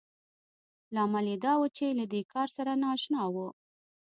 لامل يې دا و چې له دې کار سره نااشنا وو.